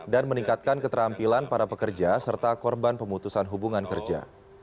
dan meningkatkan keterampilan para pekerja serta korban pemutusan hubungan kerja